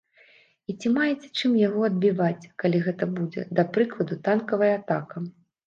І ці маеце чым яго адбіваць, калі гэта будзе, да прыкладу, танкавая атака?